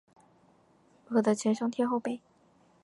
饿得前胸贴后背